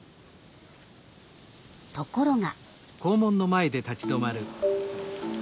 ところが。